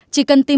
chỉ cần tìm kiếm